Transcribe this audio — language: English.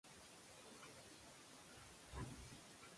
If a prince is in play, it too must be captured.